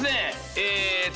えーっと。